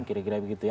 kira kira begitu ya